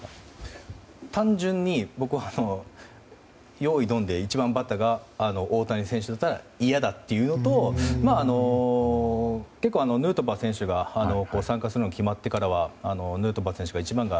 単純に僕は、ヨーイドンで１番バッターが大谷選手だったら嫌だというのと結構、ヌートバー選手が参加するのが決まってからヌートバー選手が１番が